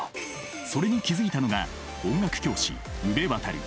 それに気付いたのが音楽教師宇部渉。